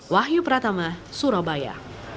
wahyu pratama surabaya